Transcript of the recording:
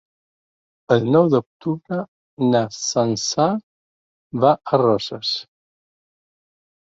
El nou d'octubre na Sança va a Roses.